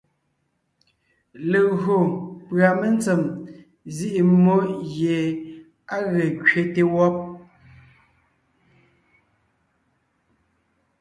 Legÿo pʉ́a mentsèm nzíʼi mmó gie á ge kẅete wɔ́b,